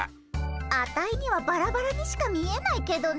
アタイにはバラバラにしか見えないけどね。